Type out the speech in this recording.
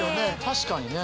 確かにね。